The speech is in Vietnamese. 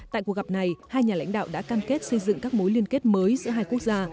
tại cuộc gặp này hai nhà lãnh đạo đã cam kết xây dựng các mối liên kết mới giữa hai quốc gia